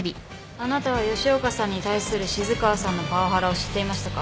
あなたは吉岡さんに対する静川さんのパワハラを知っていましたか？